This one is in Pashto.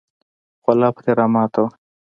خوله پرې راماته وه.